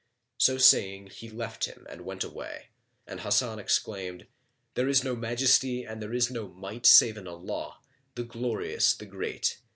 So saying, he left him[FN#33] and went away, and Hasan exclaimed, "There is no Majesty and there is no Might save in Allah, the Glorious, the Great!